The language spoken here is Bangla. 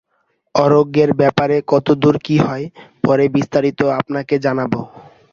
আরোগ্যের ব্যাপারে কতদূর কি হয়, পরে বিস্তারিত আপনাকে জানাব।